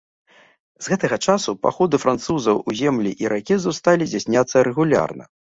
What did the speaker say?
З гэтага часу паходы французаў у землі іракезаў сталі здзяйсняцца рэгулярна.